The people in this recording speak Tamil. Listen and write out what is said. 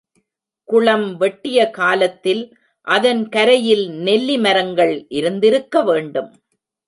குளம் வெட்டிய காலத்தில் அதன் கரையில் நெல்லி மரங்கள் இருந்திருக்க வேண்டும்.